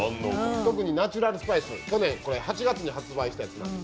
特にナチュラルスパイス、去年８月に発売したやつなんです。